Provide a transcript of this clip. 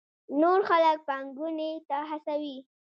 نور خلک پانګونې ته هڅوي.